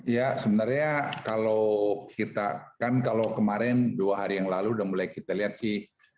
ya sebenarnya kalau kita kan kalau kemarin dua hari yang lalu udah mulai kita lihat sih